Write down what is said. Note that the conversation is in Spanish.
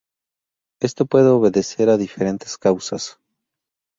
Esto puede obedecer a diferentes causas.